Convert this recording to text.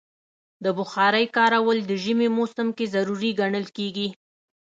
د بخارۍ کارول د ژمي موسم کې ضروری ګڼل کېږي.